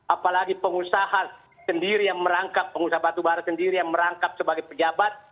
apalagi pengusaha sendiri yang merangkap pengusaha batubara sendiri yang merangkap sebagai pejabat